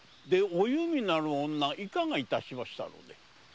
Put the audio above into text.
お弓なる女いかが致しましたので？